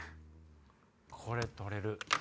これ取れる。